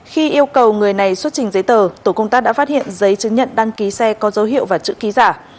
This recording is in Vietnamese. khi yêu cầu người này xuất trình giấy tờ tổ công tác đã phát hiện giấy chứng nhận đăng ký xe có dấu hiệu và chữ ký giả